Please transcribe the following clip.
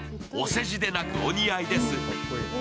お世辞でなく、お似合いです。